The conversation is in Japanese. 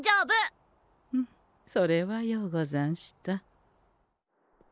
それはようござんした。